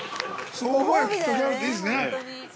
◆そう思えるきっかけがあるっていいですね。